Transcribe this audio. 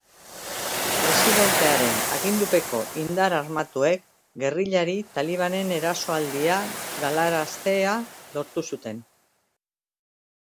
Presidentearen agindupeko indar armatuek gerrillari talibanen erasoaldia galaraztea lortu zuten.